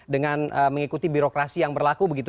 dengan mengikuti birokrasi yang berlaku begitu